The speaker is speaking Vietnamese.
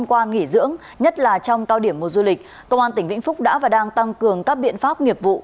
công an tỉnh vĩnh phúc đã và đang tăng cường các biện pháp nghiệp vụ